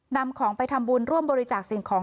นำของไปทำบุญร่วมบริจาคสิ่งของ